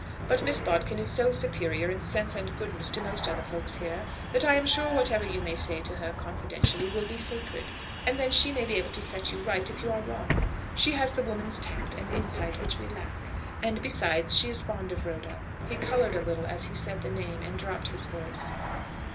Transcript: But Miss Bodkin is so superior in sense and goodness to most other folks here, that I am sure whatever you may say to her confidentially will be sacred. And then, she may be able to set you right, if you are wrong. She has the woman's tact and insight which we lack. And, besides, she is fond of Rhoda." He coloured a little as he said the name, and dropped his voice.